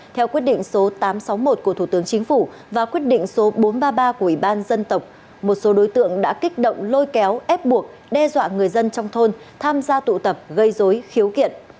theo quyết định số tám trăm sáu mươi một của thủ tướng chính phủ và quyết định số bốn trăm ba mươi ba của ủy ban dân tộc một số đối tượng đã kích động lôi kéo ép buộc đe dọa người dân trong thôn tham gia tụ tập gây dối khiếu kiện